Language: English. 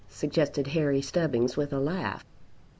suggested Harry Stubbings with a laugh.